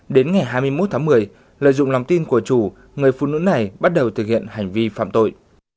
đến ngày hai mươi một tháng một mươi lợi dụng lòng tin của chủ người phụ nữ này bắt đầu thực hiện hành vi phạm tội